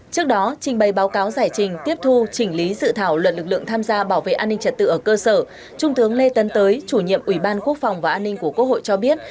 trước đó trình bày báo cáo giải trình tiếp thu chỉnh lý dự thảo luật lực lượng tham gia bảo vệ an ninh trật tự ở cơ sở trung tướng lê tấn tới chủ nhiệm ủy ban quốc phòng và an ninh của quốc hội cho biết